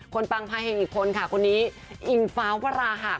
คนปังภายให้อีกคนค่ะคนนี้อิงฟ้าวราหัก